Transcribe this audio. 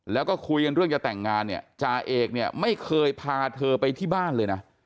แล้วก็คุยกันเรื่องจะแต่งงานเนี่ยจ่าเอกเนี่ยไม่เคยพาเธอไปที่บ้านเลยนะ